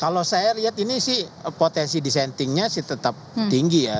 kalau saya lihat ini sih potensi dissentingnya sih tetap tinggi ya